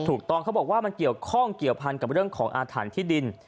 ถูกต้องเขาบอกว่ามันเกี่ยวข้องเกี่ยวพันกับเรื่องของอาถรรพ์ที่ดิน